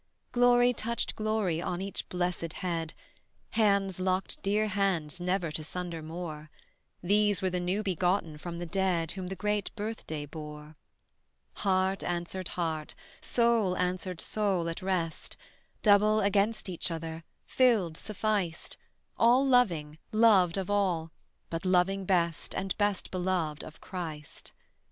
Glory touched glory on each blessed head, Hands locked dear hands never to sunder more: These were the new begotten from the dead Whom the great birthday bore. Heart answered heart, soul answered soul at rest, Double against each other, filled, sufficed: All loving, loved of all; but loving best And best beloved of Christ.